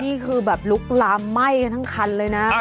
นี่คือแบบลุกลามไหม้กันทั้งคันเลยนะ